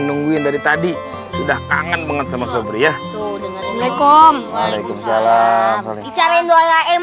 nungguin dari tadi sudah kangen banget sama sobri ya waalaikumsalam waalaikumsalam